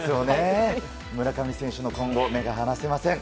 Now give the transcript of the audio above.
村上選手の今後に目が離せません。